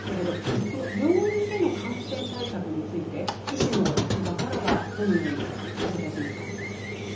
病院での感染対策について医師の立場からはどのようにお答えしますか？